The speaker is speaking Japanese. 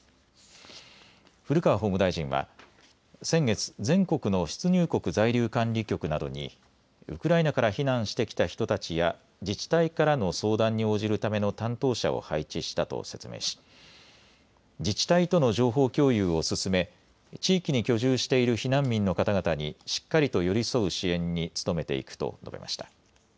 古川法務大臣は先月、全国の出入国在留管理局などにウクライナから避難してきた人たちや自治体からの相談に応じるための担当者を配置したと説明し自治体との情報共有を進め地域に居住している避難民の方々にしっかりと寄り添う支援に努めていくと述べました。